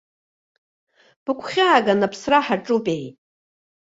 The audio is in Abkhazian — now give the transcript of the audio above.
Быгәхьааган аԥсра ҳаҿупеи!